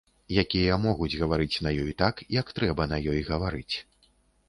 Якія могуць гаварыць на ёй так, як трэба на ёй гаварыць.